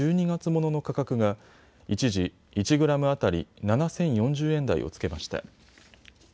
１２月ものの価格が一時１グラム当たり７０４０円台をつけました。